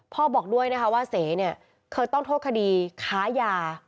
บอกด้วยนะคะว่าเสเนี่ยเคยต้องโทษคดีค้ายา